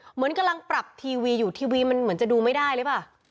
เหมือนกำลังปรับทีวีอยู่ทีวีมันเหมือนจะดูไม่ได้หรือเปล่า